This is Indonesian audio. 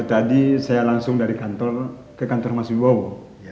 tadi saya langsung dari kantor ke kantor mas wibowo